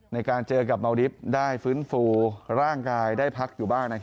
ในการเจอกับเมาริฟต์ได้ฟื้นฟูร่างกายได้พักอยู่บ้าง